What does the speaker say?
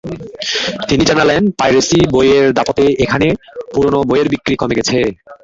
তিনি জানালেন, পাইরেসি বইয়ের দাপটে এখানে পুরোনো বইয়ের বিক্রি কমে গেছে।